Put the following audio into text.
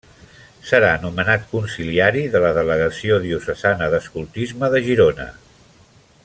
Serà nomenat consiliari de la Delegació Diocesana d'Escoltisme de Girona.